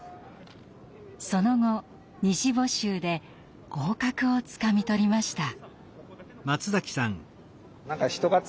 その後２次募集で合格をつかみ取りました。